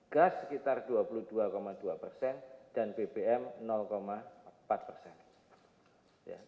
gas sekitar dua puluh dua dua persen dan bbm empat persen